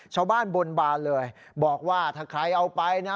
ชาวบ้านบนบานเลยบอกว่าถ้าใครเอาไปนะ